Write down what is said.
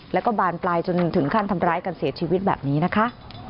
แล้วก็บานปลายจนถึงขั้นทำร้ายกันเสียชีวิตแบบนี้นะคะ